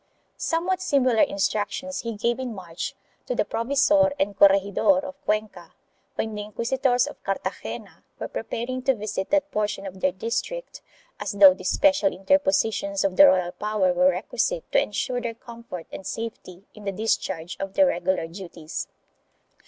Somewhat similar instructions he gave in March to the provisor and corregidor of Cuenca, when the inquisitors of Cartagena were preparing to visit that portion of their district, as though these special interpositions of the royal 'power were requisite to ensure their comfort and safety in the discharge of their regular duties.